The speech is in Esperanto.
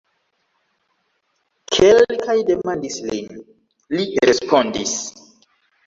Kelkaj demandis lin, li respondis.